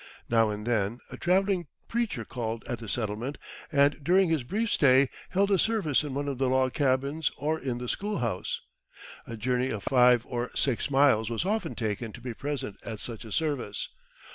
Now and then a travelling preacher called at the settlement, and during his brief stay held a service in one of the log cabins or in the schoolhouse. A journey of five or six miles was often taken to be present at such a service.